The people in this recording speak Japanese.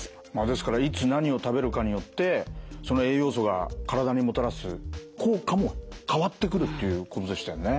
ですからいつ何を食べるかによってその栄養素が体にもたらす効果も変わってくるっていうことでしたよね。